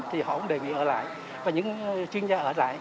thì họ cũng đề nghị ở lại và những chuyên gia ở lại